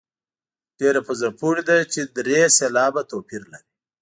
ډېره په زړه پورې ده چې درې سېلابه توپیر لري.